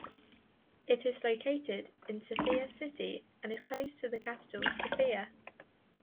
It is located in Sofia city and is close to the capital Sofia.